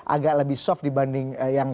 agak lebih soft dibanding yang